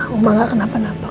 ya oma gak kenapa napa